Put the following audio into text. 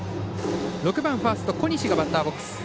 ６番ファースト小西がバッターボックス。